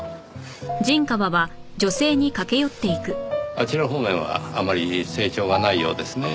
あちら方面はあまり成長がないようですねぇ。